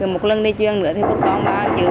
một lần đi chuyên nữa thì có con bác chứ